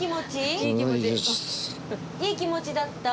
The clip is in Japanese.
いい気持ちでした。